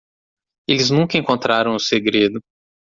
Eles nunca encontraram o segredo.